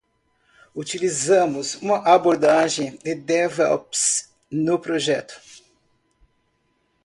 Utilizamos uma abordagem de DevOps no projeto.